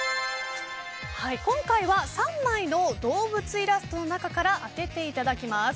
今回は３枚の動物イラストの中から当てていただきます。